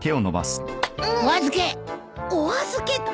お預け！